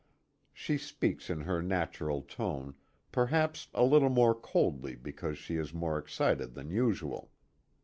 She speaks in her natural tone, perhaps a little more coldly because she is more excited than usual.